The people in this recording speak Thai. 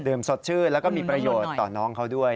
สดชื่นแล้วก็มีประโยชน์ต่อน้องเขาด้วย